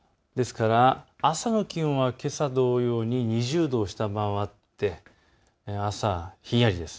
朝の気温はけさ同様に２０度を下回って朝ひんやりです。